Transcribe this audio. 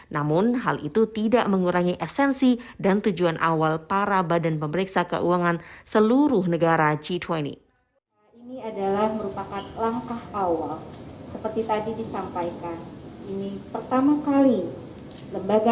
namun hal itu tidak mengurangi esensi dan tujuan awal para badan pemeriksa keuangan seluruh negara g dua puluh